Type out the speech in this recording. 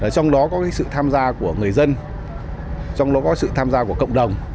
trong đó có sự tham gia của người dân trong đó có sự tham gia của cộng đồng